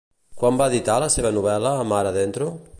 Quan va editar la seva novel·la Mar Adentro?